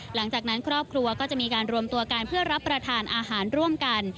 หลังจากนั้นครอบครัวก็จะมีการรวมตัวกันเพื่อรับประทานอาหารร่วมกัน